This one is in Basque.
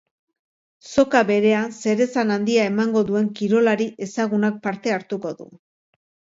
Soka berean, zeresan handia emango duen kirolari ezagunak parte hartuko du.